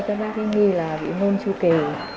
các bác nghĩ là bị môn chu kỳ